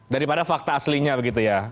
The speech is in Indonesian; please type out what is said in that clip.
daripada fakta aslinya begitu ya